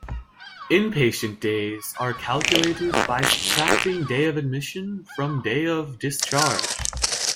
Inpatient days are calculated by subtracting day of admission from day of discharge.